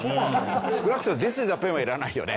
少なくとも「ディスイズアペン」はいらないよね。